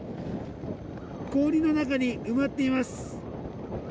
氷の中に埋まっています。